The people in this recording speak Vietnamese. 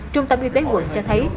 trung tâm y tế quận cho thấy